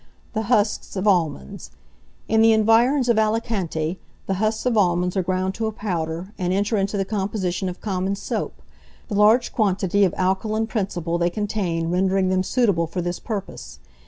THE HUSKS OF ALMONDS. In the environs of Alicante, the husks of almonds are ground to a powder, and enter into the composition of common soap, the large quantity of alkaline principle they contain rendering them suitable for this purpose.